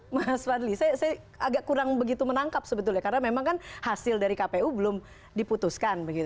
mas fadli saya agak kurang begitu menangkap sebetulnya karena memang kan hasil dari kpu belum diputuskan